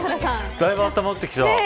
だいぶあったまってきた。